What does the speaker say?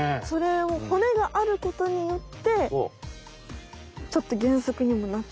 それを骨があることによってちょっとげんそくにもなってて。